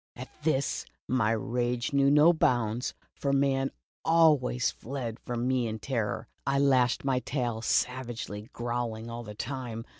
At this, my rage knew no bounds, for men always fled from me in terror. I lashed my tail savagely, growling all the time.